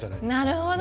なるほど。